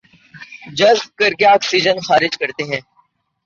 جذب کرکے آکسیجن خارج کرتے ہیں